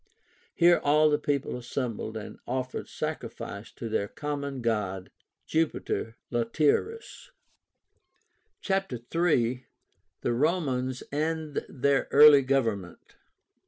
Here all the people assembled and offered sacrifice to their common god, Jupiter (Latiaris). (Illustration: Latium) CHAPTER III. THE ROMANS AND THEIR EARLY GOVERNMENT.